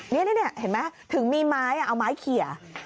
นี่เห็นไหมถึงมีไม้เอาไม้เขีย